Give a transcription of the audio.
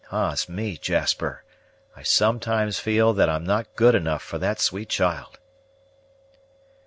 Ah's me, Jasper! I sometimes feel that I'm not good enough for that sweet child!"